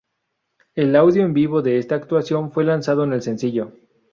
El audio en vivo de esta actuación fue lanzado en el sencillo.